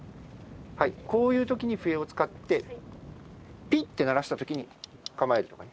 こういうときに笛を使って、ぴって鳴らしたときに、構えるとかね。